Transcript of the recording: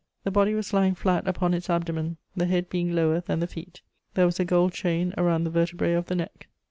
The body was lying flat upon its abdomen, the head being lower than the feet; there was a gold chain around the vertebrae of the neck.